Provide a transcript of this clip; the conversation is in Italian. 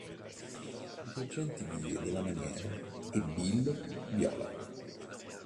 Divergenti vie della maniera" e "Bill Viola.